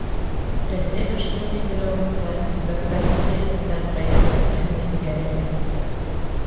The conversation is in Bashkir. Рәсәй башлығы билдәләүенсә, төбәктәр был йәһәттән ғәйәт ҙур әһәмиәткә эйә.